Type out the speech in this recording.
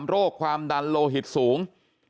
โรคความดันโลหิตสูง